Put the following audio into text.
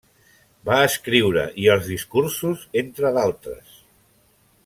Va escriure i els discursos entre d'altres.